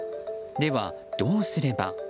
では、どうすれば？